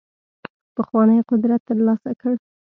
پخوانی قدرت ترلاسه کړ.